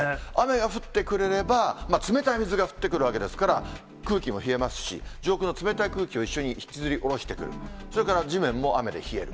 雨が降ってくれれば、冷たい水が降ってくるわけですから、空気も冷えますし、上空の冷たい空気を一緒に引きずりおろしてくる、それから地面も雨で冷える。